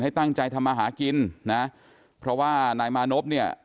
ตั้งใจทำมาหากินนะเพราะว่านายมานพเนี่ย